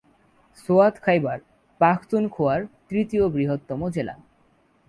সোয়াত খাইবার পাখতুনখোয়ার তৃতীয় বৃহত্তম জেলা।